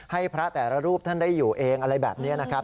ให้พระแต่ละรูปท่านได้อยู่เองอะไรแบบนี้นะครับ